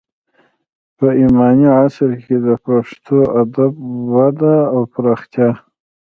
په اماني عصر کې د پښتو ادب وده او پراختیا: